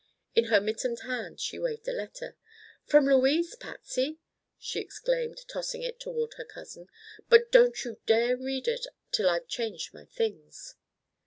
In her mittened hand she waved a letter. "From Louise, Patsy!" she exclaimed, tossing it toward her cousin; "but don't you dare read it till I've changed my things."